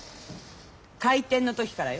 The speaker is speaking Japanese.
開店の時からよ。